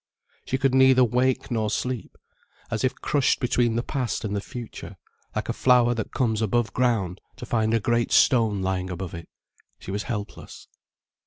She could neither wake nor sleep. As if crushed between the past and the future, like a flower that comes above ground to find a great stone lying above it, she was helpless.